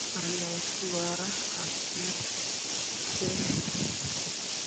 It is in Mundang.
A laa su ah, a kii cenne.